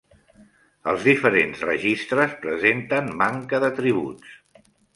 Els diferents registres presenten manca d'atributs.